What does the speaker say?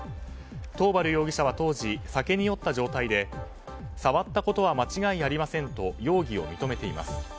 桃原容疑者は当時酒に酔った状態で触ったことは間違いありませんと容疑を認めています。